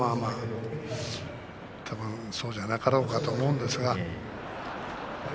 たぶんそうじゃなかろうかと思いますよ。